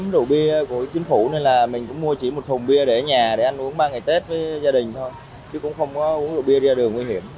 rượu bia để ở nhà để ăn uống ba ngày tết với gia đình thôi chứ cũng không có uống rượu bia ra đường nguy hiểm